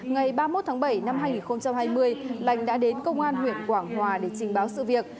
ngày ba mươi một tháng bảy năm hai nghìn hai mươi lành đã đến công an huyện quảng hòa để trình báo sự việc